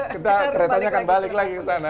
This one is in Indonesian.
kita keretanya akan balik lagi ke sana